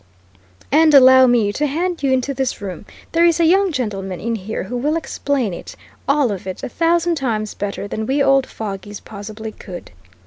And allow me to hand you into this room there is a young gentleman in here who will explain it, all of it, a thousand times better than we old fogies possibly could!"